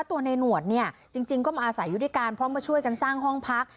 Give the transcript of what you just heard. ตัวในหนวดเนี่ยจริงก็มาอาศัยอยู่ด้วยกันเพราะมาช่วยกันสร้างห้องพัก